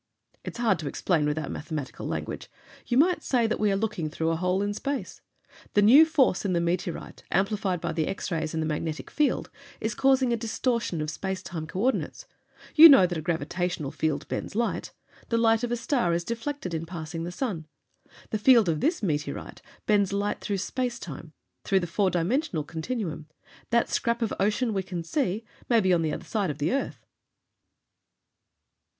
"It's hard to explain without mathematical language. You might say that we are looking through a hole in space. The new force in the meteorite, amplified by the X rays and the magnetic field, is causing a distortion of space time coordinates. You know that a gravitational field bends light; the light of a star is deflected in passing the sun. The field of this meteorite bends light through space time, through the four dimensional continuum. That scrap of ocean we can see may be on the other side of the earth."